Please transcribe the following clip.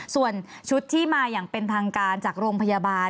ส่วนชุดที่มาอย่างเป็นทางการจากโรงพยาบาล